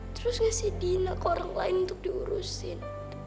terus ngasih dina ke orang lain untuk diurusin